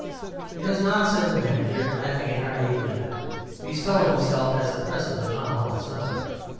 "He does not," said the manager, laughing in hearty agreement, "bestow himself as a present upon all and sundry.